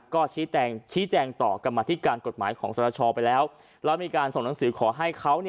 ก็ชี้แจงชี้แจงต่อกรรมธิการกฎหมายของสรชอไปแล้วแล้วมีการส่งหนังสือขอให้เขา